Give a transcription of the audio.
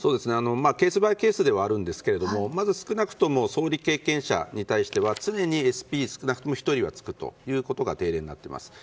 ケースバイケースではあるんですがまず少なくとも総理経験者に対しては常にＳＰが少なくとも１人はつくのが定例になっています。